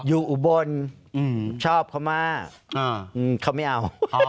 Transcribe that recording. อุบลชอบเขามากเขาไม่เอา